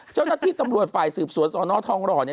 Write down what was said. เจ้าหน้าที่ตำรวจฝ่ายสืบสวนสอนอทองหล่อเนี่ย